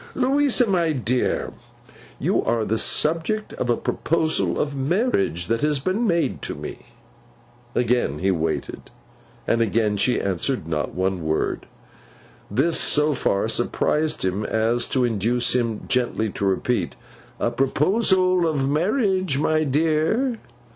'Louisa, my dear, you are the subject of a proposal of marriage that has been made to me.' Again he waited, and again she answered not one word. This so far surprised him, as to induce him gently to repeat, 'a proposal of marriage, my dear.